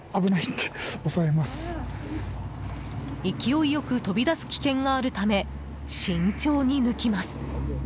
勢い良く飛び出す危険があるため慎重に抜きます。